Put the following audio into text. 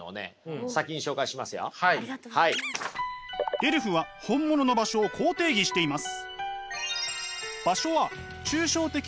レルフは本物の場所をこう定義しています。